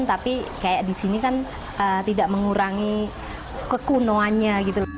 tapi di sini tidak mengurangi kekunoannya